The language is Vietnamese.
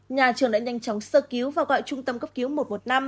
nhà trường đã nhanh chóng sơ cứu và gọi trung tâm cấp cứu một trăm một mươi năm